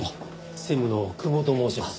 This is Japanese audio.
専務の久保と申します。